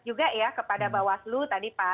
juga ya kepada bawas lo tadi pak